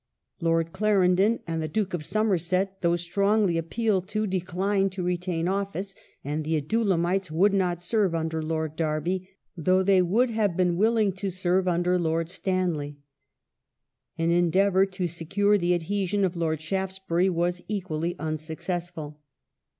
Lord Clarendon and the Duke of Somerset, though strongly appealed to, declined to retain office, and the Adullamites would not serve under Lord Derby, though they would have been willing to serve under Lord Stanley. An endeavour to secure the adhesion of Lord Shaftesbury was equally unsuccessful.